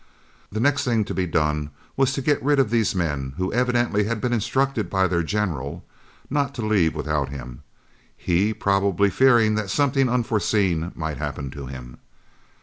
The next thing to be done was to get rid of these men, who evidently had been instructed by their "General" not to leave without him, he probably fearing that something unforeseen might happen to him.